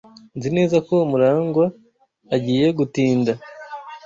Nzi neza ko Murangwa agiye gutinda.